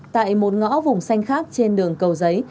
tại một ngõ vùng xanh khác trên đường cầu giấy